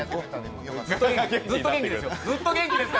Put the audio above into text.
ずっと元気ですよ！